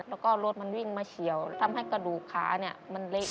แล้วก็รถมันวิ่งมาเฉียวทำให้กระดูกขาเนี่ยมันเละ